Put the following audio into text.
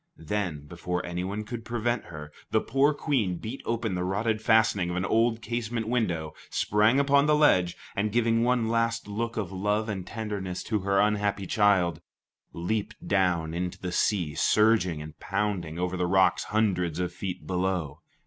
Then, before anyone could prevent her, the poor Queen beat open the rotted fastening of an old casement window, sprang upon the ledge, and giving one last look of love and tenderness to her unhappy child, leaped down into the sea surging and pounding over the rocks hundreds of feet below.